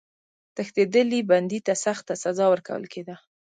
تښتېدلي بندي ته سخته سزا ورکول کېده.